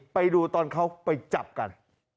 ไปดูตอนเขาไปจับกัน